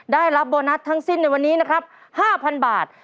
ได้รับโบนัสทั้งสิ้นในวันนี้นะครับ๕๐๐บาท